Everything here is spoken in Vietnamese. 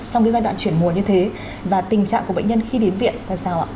trong giai đoạn chuyển mùa như thế và tình trạng của bệnh nhân khi đến viện là sao ạ